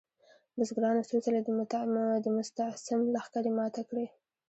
بزګرانو څو ځلې د مستعصم لښکرې ماتې کړې.